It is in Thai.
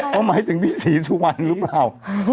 เขาหมายถึงพี่ศรีสุวรรณหรือเปล่า